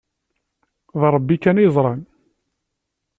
D Rebbi kan i yeẓran.